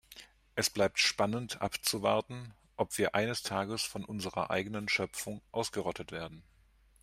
Es bleibt spannend abzuwarten, ob wir eines Tages von unserer eigenen Schöpfung ausgerottet werden.